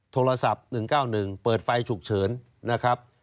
โทรศัพท์๑๙๑เปิดไฟฉุกเฉินนะครับ